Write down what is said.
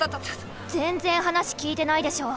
全然話聞いてないでしょう！